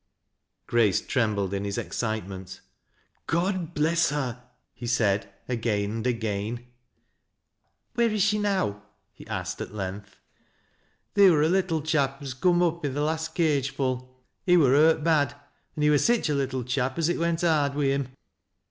Grace trembled in his excitement. " God bless her 1 God bless her I " he said, again and again. ALIVE TET. 237 " Where is she now ?" he asked at length. " Theer wur a little chap as come up i' the last cageful he wur hurt bad, an' he wur sich a little chap as it went hard wi' him.